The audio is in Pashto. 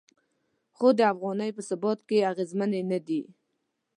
خو د افغانۍ په ثبات کې اغیزمنې نه دي.